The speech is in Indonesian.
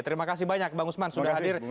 terima kasih banyak bang usman sudah hadir